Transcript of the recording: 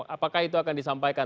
apakah itu akan disampaikan